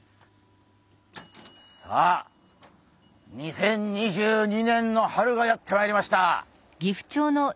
さあ２０２２年の春がやって参りました。